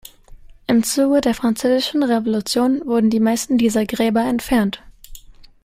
Im Zuge der französischen Revolution wurden die meisten dieser Gräber entfernt.